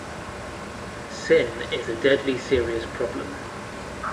sin is a deadly serious problem.